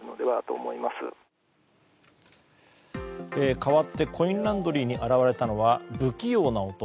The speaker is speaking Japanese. かわってコインランドリーに現れたのは不器用な男。